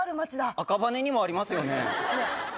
赤羽にもありますよね。